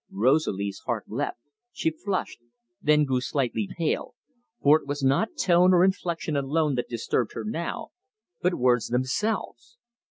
Rosalie's heart leapt, she flushed, then grew slightly pale, for it was not tone or inflection alone that disturbed her now, but words themselves.